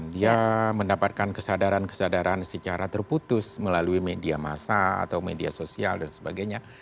dia mendapatkan kesadaran kesadaran secara terputus melalui media massa atau media sosial dan sebagainya